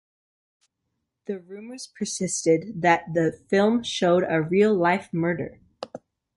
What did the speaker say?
The rumours persisted that the film showed a real-life murder.